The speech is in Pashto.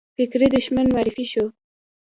فکري دښمن معرفي شو